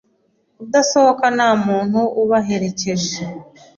kudasohoka nta muntu ubaherekeje